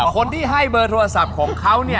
คนที่ให้เบอร์โทรศัพท์ของเขาเนี่ย